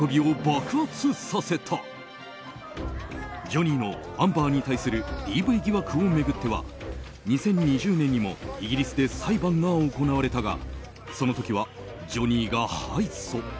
ジョニーのアンバーに対するＤＶ疑惑を巡っては２０２０年にもイギリスで裁判が行われたがその時はジョニーが敗訴。